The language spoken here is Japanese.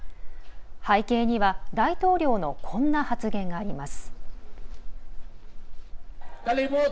背景には、大統領のこんな発言があります。